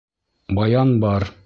Баян бар.